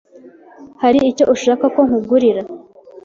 Hari icyo ushaka ko nkugurira?